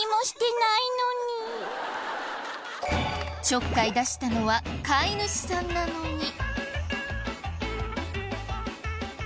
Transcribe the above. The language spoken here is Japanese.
ちょっかい出したのは飼い主さんなのに。